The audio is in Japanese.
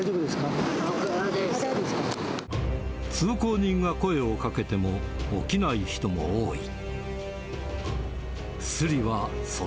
通行人が声をかけても、起きない人も多い。